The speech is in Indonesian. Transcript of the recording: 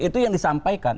itu yang disampaikan